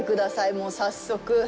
もう早速。